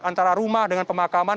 antara rumah dengan pemakaman